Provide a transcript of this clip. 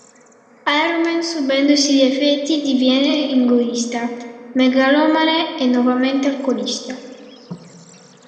Iron Man, subendone gli effetti, diviene egoista, megalomane e nuovamente alcolista.